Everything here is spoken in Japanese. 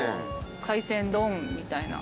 海鮮丼みたいな。